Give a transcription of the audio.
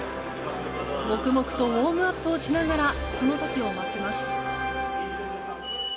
黙々とウォームアップをしながらその時を待ちます。